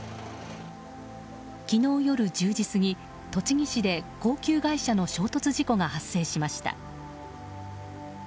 昨日夜１０時過ぎ、栃木市で高級外車の衝突事故が発生しました。